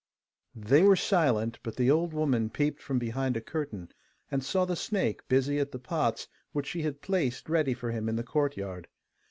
They were silent, but the old woman peeped from behind a curtain, and saw the snake busy at the pots which she had placed ready for him in the courtyard.